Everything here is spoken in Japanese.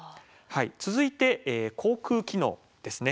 続いて口腔機能ですね。